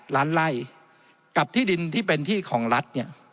๑๒๘ล้านไร่กับที่ดินที่เป็นที่ของรัฐ